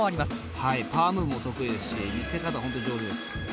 はいパワームーブも得意ですし見せ方本当上手です。